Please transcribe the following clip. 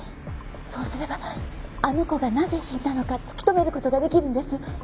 そうすればあの子がなぜ死んだのか突き止める事ができるんです。